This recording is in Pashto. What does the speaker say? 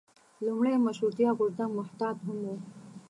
لومړی مشروطیه غورځنګ محتاط هم و.